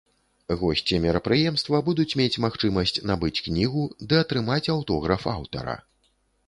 Госці мерапрыемства будуць мець магчымасць набыць кнігу ды атрымаць аўтограф аўтара.